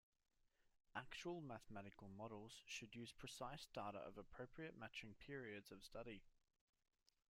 Actual mathematical models should use precise data of appropriate matching periods of study.